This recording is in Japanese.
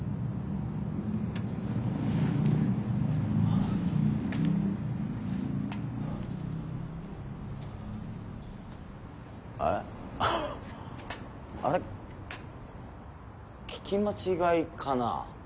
あはっあれっ聞き間違いかなァ。